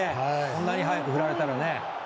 あんなに早く振られたらね。